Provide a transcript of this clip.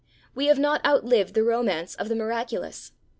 We have not outlived the romance of the miraculous.